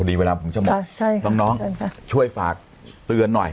พอดีเวลาผมจะบอกใช่ค่ะน้องน้องใช่ค่ะช่วยฝากเตือนหน่อย